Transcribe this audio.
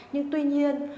nhưng tuy nhiên